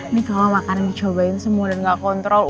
ini kalau makanan dicobain semua dan gak kontrol